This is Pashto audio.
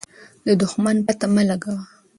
د دښمن پته مه لګوه.